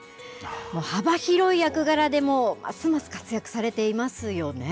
幅広い役柄でますます活躍されていますよね。